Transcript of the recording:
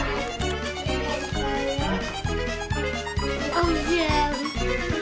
おいしい！